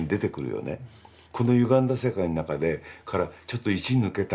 このゆがんだ世界の中からちょっといち抜けたい。